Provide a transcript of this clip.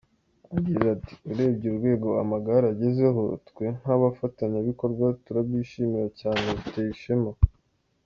agize ati “Urebye urwego amagare agezeho, twe nk’abafatanyabikorwa turabyishimira cyane, biteye ishema.